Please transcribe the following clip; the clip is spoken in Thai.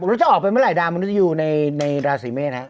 แล้วจะออกเป็นเมื่อไหร่ดาวมนุษยูในราศีเมษเนี่ย